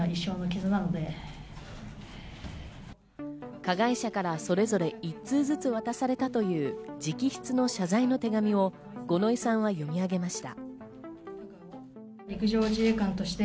加害者からそれぞれ一通ずつ渡されたという直筆の謝罪の手紙を五ノ井さんは読み上げました。